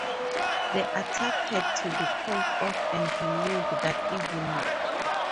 The attack had to be called off and renewed that evening.